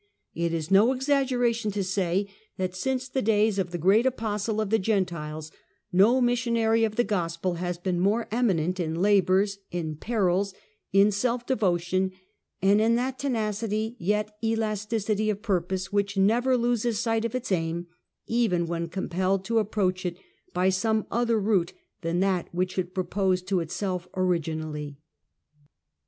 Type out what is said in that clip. "It is no exaggeration to say that since the days of the great apostle of the Gentiles no missionary of the Gospel has been more eminent in labours, in perils, in self devotion, and in that tenacity yet elasticity of pur pose which never loses sight of its aim, even when com pelled to approach it by some other route than that which it proposed to itself originally."